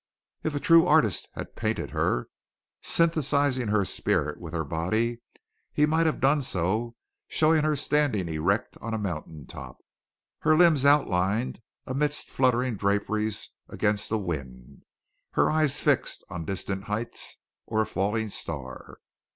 If a true artist had painted her, synthesizing her spirit with her body, he might have done so showing her standing erect on a mountain top, her limbs outlined amidst fluttering draperies against the wind, her eyes fixed on distant heights, or a falling star.